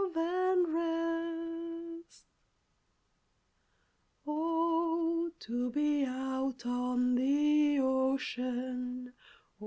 Oh, to be out on the Ocean!